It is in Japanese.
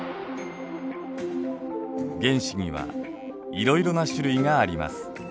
原子にはいろいろな種類があります。